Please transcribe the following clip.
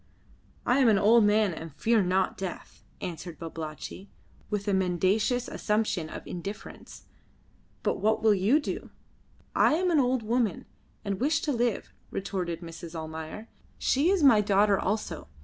"I am an old man and fear not death," answered Babalatchi, with a mendacious assumption of indifference. "But what will you do?" "I am an old woman, and wish to live," retorted Mrs. Almayer. "She is my daughter also.